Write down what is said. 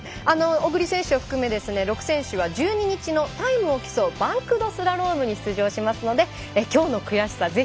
小栗選手を含め６選手は１２日のタイムを競うバンクドスラロームに出場しますのできょうの悔しさ